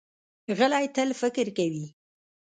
غلی، تل فکر کوي.